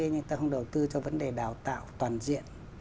nhưng ta không đầu tư cho vấn đề đào tạo toàn diện